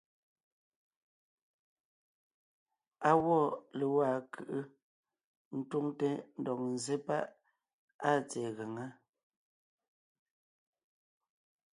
Á gwɔ́ légwá ńkʉ́ʼʉ ńtúŋte ńdɔg ńzsé páʼ áa tsɛ̀ɛ gaŋá.